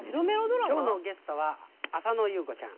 今日のゲストは浅野ゆう子ちゃん。